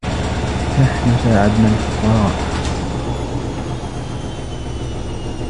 نحن ساعدنا الفقراء.